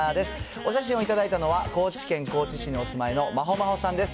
お写真を頂いたのは、高知県高知市にお住まいのまほまほさんです。